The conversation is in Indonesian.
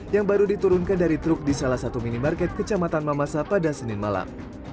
yang baru diturunkan dari truk di salah satu minimarket kecamatan mamasa pada senin malam